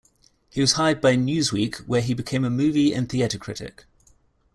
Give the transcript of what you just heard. He was hired by "Newsweek", where he became a movie and theater critic.